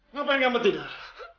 ngapain kamu tidak